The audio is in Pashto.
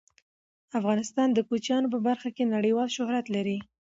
افغانستان د کوچیانو په برخه کې نړیوال شهرت لري.